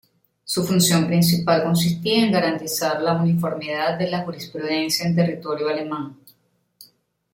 Su función principal consistía en garantizar la uniformidad de la jurisprudencia en territorio alemán.